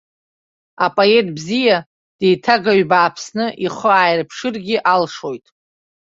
Апоет бзиа деиҭагаҩ бааԥсны ихы ааирԥшыргьы алшоит.